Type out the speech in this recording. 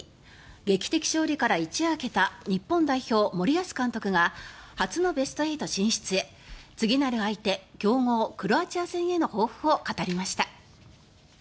劇的勝利から一夜明けた日本代表、森保監督が初のベスト８進出へ次なる相手強豪クロアチア戦への抱負を語りました。